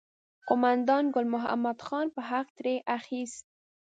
قوماندان ګل محمد خان به حق ترې اخیست.